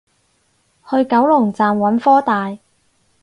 去九龍站揾科大